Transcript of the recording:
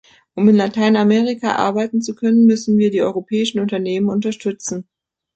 Um in Lateinamerika arbeiten zu können, müssen wir die europäischen Unternehmen unterstützen.